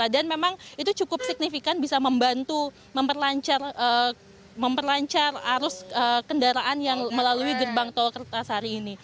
dan memang itu cukup signifikan bisa membantu memperlancar arus kendaraan yang melalui gerbang tol kertasari ini